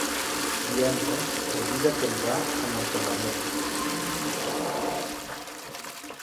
Divendres en Dídac anirà a Montaverner.